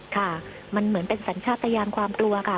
ค่ะมันเหมือนเป็นสัญชาติยานความกลัวค่ะ